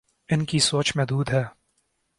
ان کی سوچ محدود ہے۔